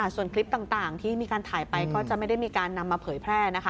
ส่วนคลิปต่างที่มีการถ่ายไปก็จะไม่ได้มีการนำมาเผยแพร่นะคะ